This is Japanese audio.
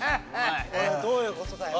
どういうことだよ